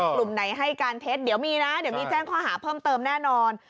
กลุ่มไหนให้การเท็จเดี๋ยวมีนะเดี๋ยวมีแจ้งข้อหาเพิ่มเติมแน่นอน